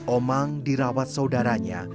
omang dirawat saudaranya